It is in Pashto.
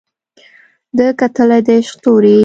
ده کتلى د عشق تورى